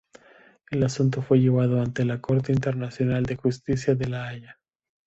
El asunto fue llevado ante la Corte Internacional de Justicia de la Haya.